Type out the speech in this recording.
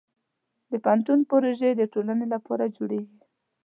د پوهنتون پروژې د ټولنې لپاره جوړېږي.